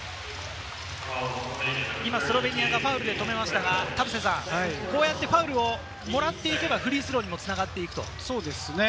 スロベニアがファウルで止めましたが、ファウルをもらっていけばフリースローにも繋がっていきますね。